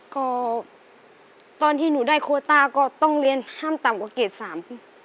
ก็ตอนที่หนูได้โควตาก็ต้องเรียนห้ามต่ำกว่าเกษตร๓